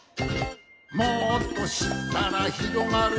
「もっとしったらひろがるよ」